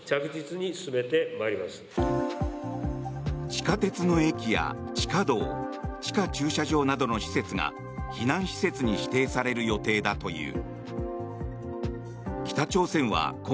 地下鉄の駅や地下道地下駐車場などの施設が避難施設に指定される予定だという。